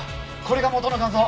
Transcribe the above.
これが元の画像。